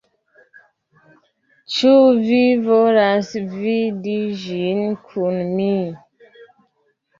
Ĉu vi volas vidi ĝin kun mi?